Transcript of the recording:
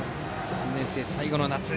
３年生、最後の夏。